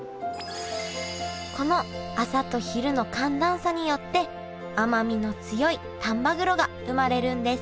この朝と昼の寒暖差によって甘みの強い丹波黒が生まれるんです